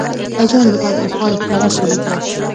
وژنه د تاوتریخوالي ښکاره ثبوت دی